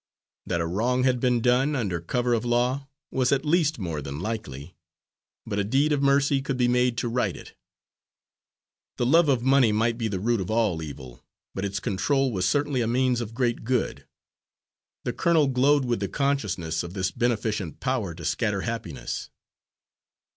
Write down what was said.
That a wrong had been done, under cover of law, was at least more than likely; but a deed of mercy could be made to right it. The love of money might be the root of all evil, but its control was certainly a means of great good. The colonel glowed with the consciousness of this beneficent power to scatter happiness.